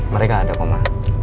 mereka ada kok mbak